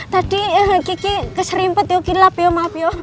tadi kiki keserimpet yukin lap yuk maaf yuk